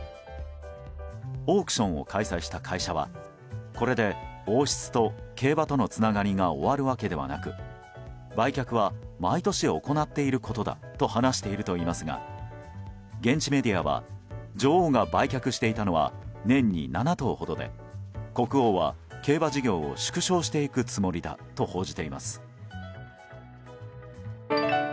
オークションを開催した会社はこれで王室と競馬とのつながりが終わるわけではなく売却は毎年行っていることだと話しているといいますが現地メディアは女王が売却していたのは年に７頭ほどで国王は競馬事業を縮小していくつもりだと報じています。